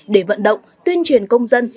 để vận động tuyên truyền công dân